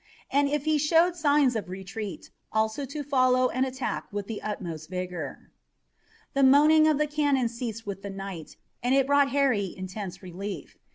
And if he showed signs of retreat, also to follow and attack with the utmost vigor. The moaning of the cannon ceased with the night, and it brought Harry intense relief.